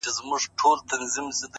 زه خپله مينه ټولومه له جهانه څخه”